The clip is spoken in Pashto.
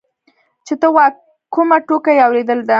چې ته وا کومه ټوکه يې اورېدلې ده.